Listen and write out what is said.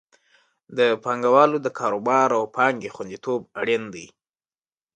د پانګوالو د کاروبار او پانګې خوندیتوب اړین دی.